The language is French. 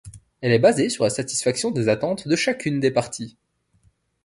Elle est basée sur la satisfaction des attentes de chacune des parties.